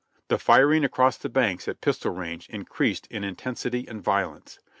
The firing across the banks at pistol range increased in intens ity and violence.